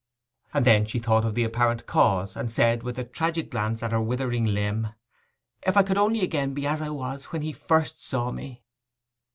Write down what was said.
And then she thought of the apparent cause, and said, with a tragic glance at her withering limb, 'If I could only again be as I was when he first saw me!